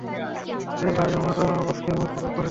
আরে ভাই, আমার বসকেই মারতে লোক পাঠাতে বলছো।